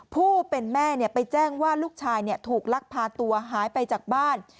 ผู้เป็นแม่ไปแจ้งว่าลูกชายถูกลักพาตัวหายไปจากบ้าน